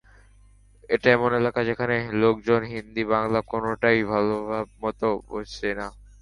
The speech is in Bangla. এটা এমন এলাকা যেখানে লোকজন হিন্দি, বাংলা কোনোটাই ভালোমতো বোঝে না।